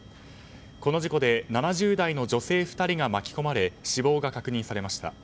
この事故で７０代の女性２人が巻き込まれ死亡が確認されました。